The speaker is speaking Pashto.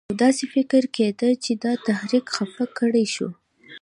او داسې فکر کېده چې دا تحریک خفه کړی شو.